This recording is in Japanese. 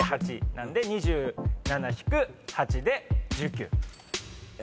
なんで２７引く８で１９。